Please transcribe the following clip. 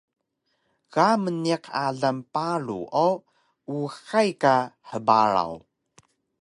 Ga mniq alang paru o uxay ka hbaraw